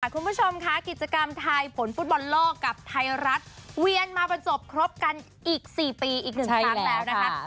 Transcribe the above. คุณผู้ชมค่ะกิจกรรมทายผลฟุตบอลโลกกับไทยรัฐเวียนมาประจบครบกันอีก๔ปีอีกหนึ่งครั้งแล้วนะคะ